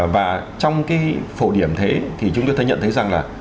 và trong cái phổ điểm thế thì chúng ta nhận thấy rằng là